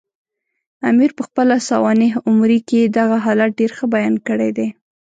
امیر پخپله سوانح عمري کې دغه حالت ډېر ښه بیان کړی دی.